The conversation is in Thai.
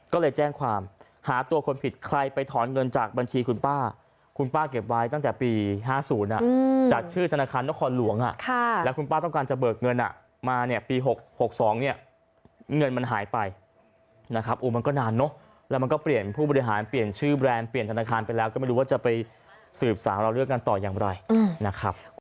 ก็เลยแจ้งความหาตัวคนผิดใครไปถอนเงินจากบัญชีคุณป้า